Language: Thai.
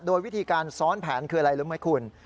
โดยวิธีการซ้อนแผนคืออะไรรู้ไหมคุณ